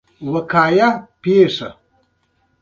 امیة بن الاسکر الکناني د خپل قوم مشر و،